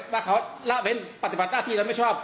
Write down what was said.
ว่าเขาระเวนปฎิบัตรหน้าที่เราไม่ชอบ